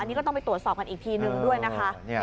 นี่ก็ต้องไปตรวจสอบกันอีกทีนึงด้วยนะคะ